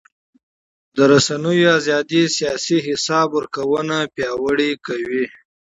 د رسنیو ازادي سیاسي حساب ورکونه پیاوړې کوي